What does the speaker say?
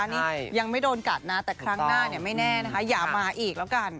นี่ยังไม่โดนกัดนะแต่ครั้งหน้าไม่แน่นะคะอย่ามาอีกแล้วกัน